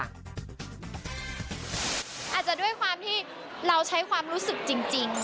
อาจจะด้วยความที่เราใช้ความรู้สึกจริง